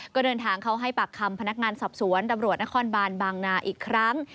ก็เดินทางเข้าให้ปากคำพนักงานสอบสวนตำรวจนครบานบางนาอีกครั้ง